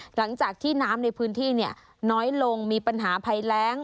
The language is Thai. หลังจากที่น้ำในพื้นที่น้อยลงมีปัญหาภัยแรง